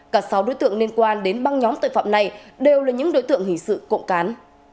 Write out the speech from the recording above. cả sáu đối tượng liên quan đến băng nhóm tội phạm này đều là những đối tượng hình sự cộng cán